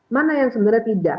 mana yang sebenarnya tidak